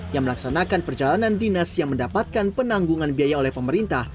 yang melaksanakan perjalanan dinas yang mendapatkan penanggungan biaya oleh pemerintah